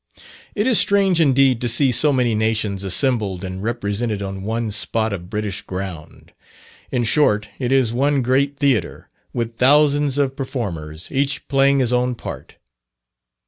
It is strange indeed to see so many nations assembled and represented on one spot of British ground. In short, it is one great theatre, with thousands of performers, each playing his own part.